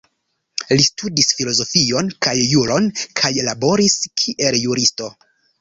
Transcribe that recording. Li studis filozofion kaj juron kaj laboris kiel juristo.